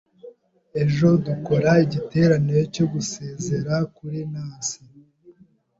Ejo, dukora igiterane cyo gusezera kuri Nancy.